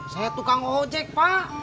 saya tukang ojek pak